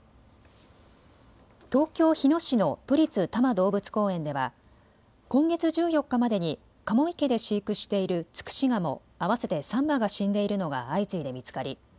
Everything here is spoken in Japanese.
東京日野市の都立多摩動物公園では今月１４日までにカモ池で飼育しているツクシガモ合わせて３羽が死んでいるのが相次いで見つかり